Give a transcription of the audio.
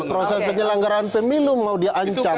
proses penyelenggaraan pemilu mau diancam